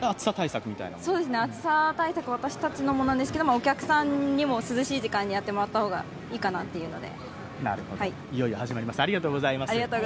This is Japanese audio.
暑さ対策、私たちもそうですけど、お客さんにも涼しい時間にやってもらった方がいいかなと思って。